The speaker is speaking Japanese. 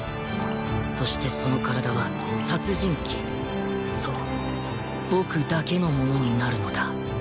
そしてその体は殺人鬼そう僕だけのものになるのだ